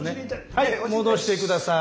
はい戻して下さい。